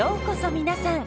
皆さん。